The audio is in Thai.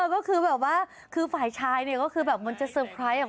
ก็คือแบบว่าคือฝ่ายชายเนี่ยก็คือแบบเหมือนจะเตอร์ไพรส์